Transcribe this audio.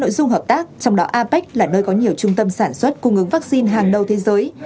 nội dung hợp tác trong đó apec là nơi có nhiều trung tâm sản xuất cung ứng vaccine hàng đầu thế giới